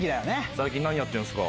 最近何やってんすか？